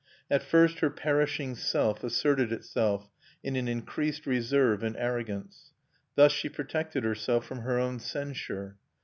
At first her perishing self asserted itself in an increased reserve and arrogance. Thus she protected herself from her own censure.